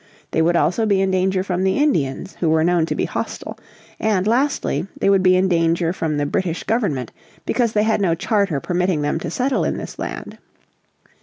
They would also be in danger from the Indians, who were known to be hostile, and lastly, they would be in danger from the British Government because they had no charter permitting them to settle in this land.